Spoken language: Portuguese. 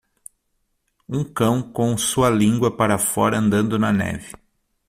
Um cão com sua língua para fora andando na neve.